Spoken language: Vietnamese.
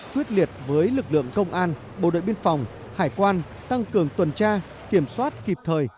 quyết liệt với lực lượng công an bộ đội biên phòng hải quan tăng cường tuần tra kiểm soát kịp thời